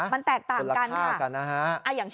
มันแตกต่างกันเป็นละค่ากันนะฮะ